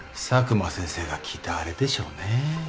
佐久間先生が聞いたあれでしょうね。